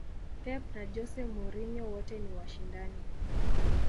pep na jose mourinho wote ni washindani